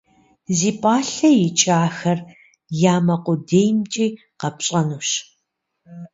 Зи пӏалъэ икӏахэр я мэ къудеймкӏи къэпщӏэнущ.